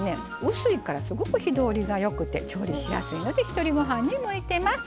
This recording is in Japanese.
薄いからすごく火通りがよくて調理しやすいのでひとりごはんに向いてます。